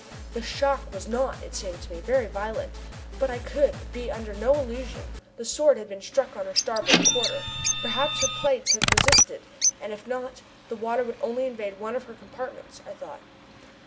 The shock was not, it seemed to me, very violent, but I could be under no illusion: the Sword had been struck on her starboard quarter. Perhaps her plates had resisted, and if not, the water would only invade one of her compartments, I thought.